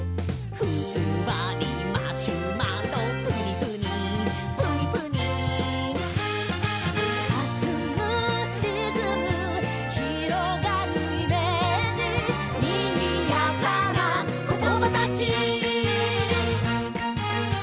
「ふんわりマシュマロプニプニプニプニ」「はずむリズム」「広がるイメージ」「にぎやかなコトバたち」